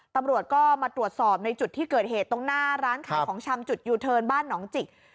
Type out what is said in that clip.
ตำรวจก็มาตรวจสอบในจุดที่เกิดเหตุตรงหน้าร้านขายของชำจุดยูเทิร์นบ้านหนองจิก